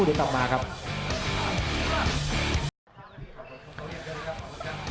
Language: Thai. อัศวินาศาสตร์